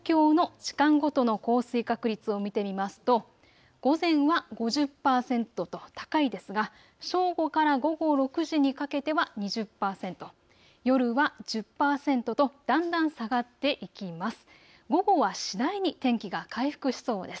代表して東京の時間ごとの降水確率を見てみますと午前は５０％と高いですが、正午から午後６時にかけては２０％、夜は１０％とだんだん下がっていきます。